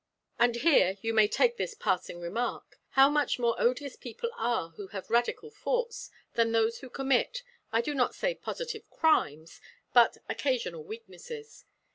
And here, you may take this passing remark How much more odious people are who have radical faults, than those who commit, I do not say positive crimes, but occasional weaknesses.